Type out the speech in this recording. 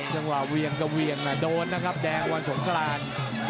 เวียงกับเวียงโดนนะครับแดงวันสงกราน